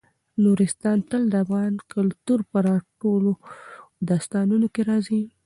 نورستان تل د افغان کلتور په ټولو داستانونو کې راځي.